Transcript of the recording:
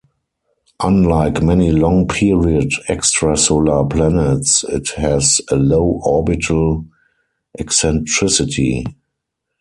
Unlike many long-period extrasolar planets, it has a low orbital eccentricity.